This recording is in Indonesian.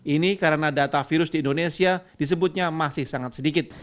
ini karena data virus di indonesia disebutnya masih sangat sedikit